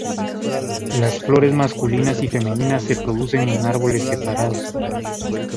Las flores masculinas y femeninas se producen en árboles separados.